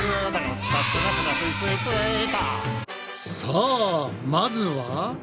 さあまずは。